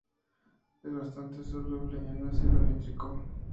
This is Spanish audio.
Es bastante soluble en ácido nítrico.